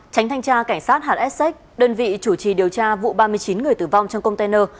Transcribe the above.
tránh thanh tra cảnh sát hsse đơn vị chủ trì điều tra vụ ba mươi chín người tử vong trong container